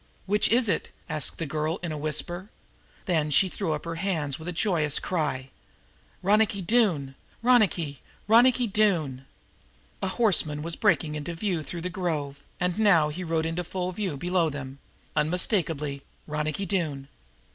"Which is it?" asked the girl in a whisper. Then she threw up her hands with a joyous cry: "Ronicky Doone! Ronicky, Ronicky Doone!" A horseman was breaking into view through the grove, and now he rode out into full view below them unmistakably Ronicky Doone!